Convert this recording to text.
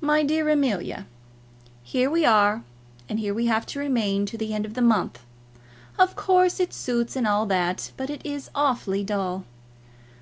MY DEAR AMELIA, Here we are, and here we have to remain to the end of the month. Of course it suits, and all that; but it is awfully dull.